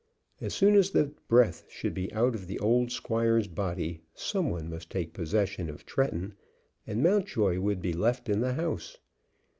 As soon as the breath should be out of the old squire's body, some one must take possession of Tretton, and Mountjoy would be left in the house.